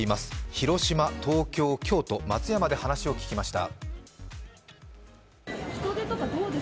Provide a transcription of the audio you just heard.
広島、東京、京都、松山で話を聞きました。